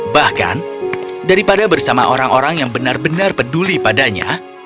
bahkan daripada bersama orang orang yang benar benar peduli padanya